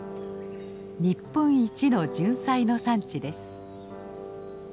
日本一のジュンサイの産地です。